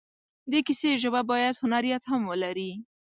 د کیسې ژبه باید هنریت هم ولري.